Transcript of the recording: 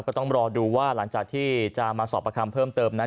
ก็ต้องรอดูว่าหลังจากที่จะมาสอบประคำเพิ่มเติมนั้น